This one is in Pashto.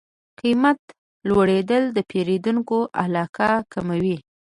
قیمت لوړېدل د پیرودونکو علاقه کموي.